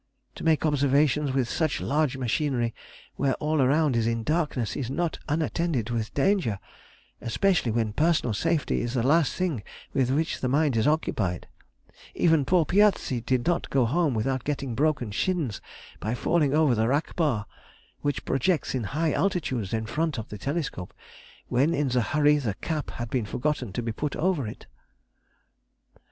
To make observations with such large machinery, where all around is in darkness, is not unattended with danger, especially when personal safety is the last thing with which the mind is occupied; even poor Piazzi did not go home without getting broken shins by falling over the rack bar, which projects in high altitudes in front of the telescope, when in the hurry the cap had been forgotten to be put over it.